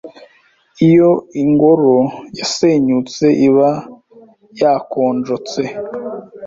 Iyo Ingoro yasenyutse iba Yakonjotse